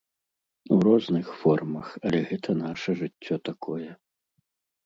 У розных формах, але гэта наша жыццё такое.